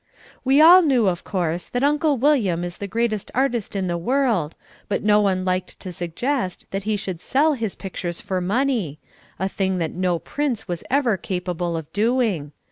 We all knew, of course, that Uncle William is the greatest artist in the world, but no one liked to suggest that he should sell his pictures for money, a thing that no prince was ever capable of doing.